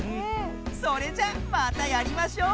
それじゃまたやりましょう！